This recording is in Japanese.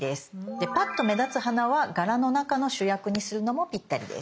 でパッと目立つ花は柄の中の主役にするのもぴったりです。